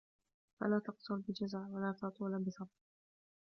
فَلَا تَقْصُرُ بِجَزَعٍ وَلَا تَطُولُ بِصَبْرٍ